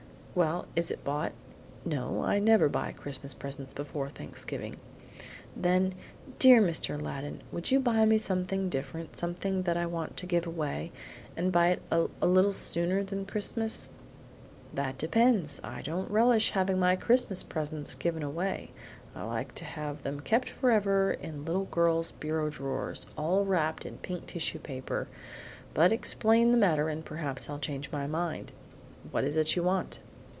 "Well, is it bought?" "No, I never buy Christmas presents before Thanksgiving." "Then, DEAR Mr. Aladdin, would you buy me something different, something that I want to give away, and buy it a little sooner than Christmas?" "That depends. I don't relish having my Christmas presents given away. I like to have them kept forever in little girls' bureau drawers, all wrapped in pink tissue paper; but explain the matter and perhaps I'll change my mind. What is it you want?"